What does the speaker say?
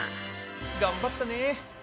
頑張ったね！